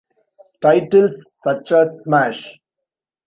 Titles such as Smash!